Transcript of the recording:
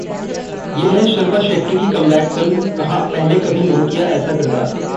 ये है शिल्पा शेट्टी की कमबैक फिल्म, कहा- पहले कभी नहीं किया ऐसा किरदार